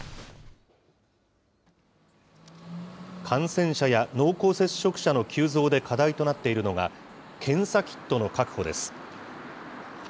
感染者や濃厚接触者の急増で課題となっているのが、検査キットの確保です。